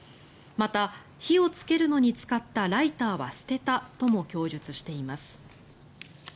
また、火をつけるのに使ったライターは捨てたとも供述しています。